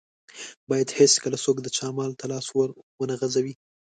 بايد هيڅکله څوک د چا مال ته لاس ور و نه غزوي.